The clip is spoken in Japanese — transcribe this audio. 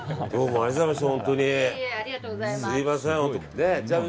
ありがとうございます。